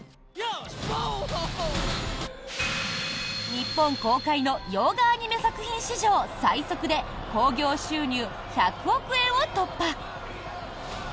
日本公開の洋画アニメ作品史上最速で興行収入１００億円を突破！